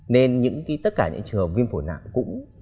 nên tất cả những trường hợp viêm phổi nặng cũng